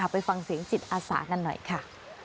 ไปฟังเสียงจิตอาสากันหน่อยค่ะ